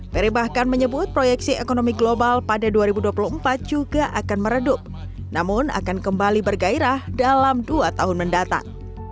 peri bahkan menyebut proyeksi ekonomi global pada dua ribu dua puluh empat juga akan meredup namun akan kembali bergairah dalam dua tahun mendatang